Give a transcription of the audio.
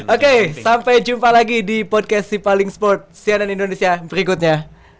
oke sampai jumpa lagi di podcast si paling sport cnn indonesia berikutnya